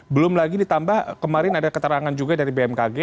belum lagi ditambah kemarin ada keterangan juga dari bmkg